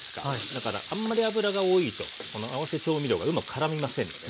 だからあんまり油が多いと合わせ調味料がうまくからみませんので。